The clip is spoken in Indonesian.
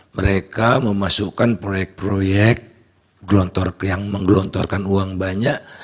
mereka memasukkan proyek proyek yang menggelontorkan uang banyak